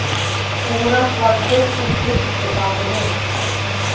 «Кугурак-влак» кок-кум кечым чыталтынешт.